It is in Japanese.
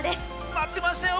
待ってましたよ